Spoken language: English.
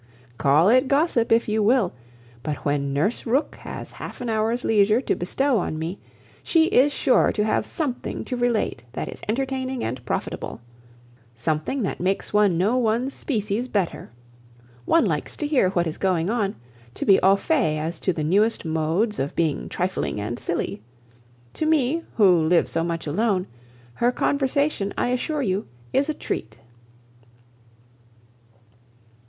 Call it gossip, if you will, but when Nurse Rooke has half an hour's leisure to bestow on me, she is sure to have something to relate that is entertaining and profitable: something that makes one know one's species better. One likes to hear what is going on, to be au fait as to the newest modes of being trifling and silly. To me, who live so much alone, her conversation, I assure you, is a treat."